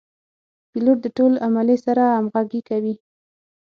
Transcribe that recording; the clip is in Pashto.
پیلوټ د ټول عملې سره همغږي کوي.